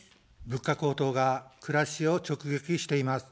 物価高騰が暮らしを直撃しています。